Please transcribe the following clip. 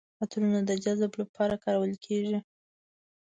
عطرونه د جذب لپاره کارول کیږي.